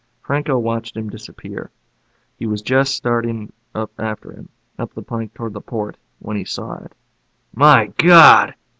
Franco watched him disappear. He was just starting up after him, up the plank toward the port, when he saw it. "My God!"